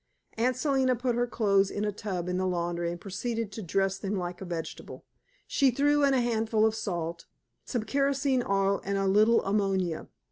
Aunt Selina put her clothes in a tub in the laundry and proceeded to dress them like a vegetable. She threw in a handful of salt, some kerosene oil and a little ammonia.